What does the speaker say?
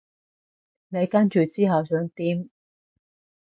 你跟住之後想點？